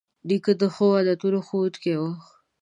نیکه د ښو عادتونو ښوونکی وي.